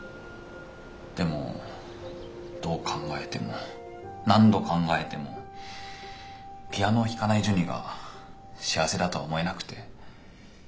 でもどう考えても何度考えてもピアノを弾かないジュニが幸せだとは思えなくて。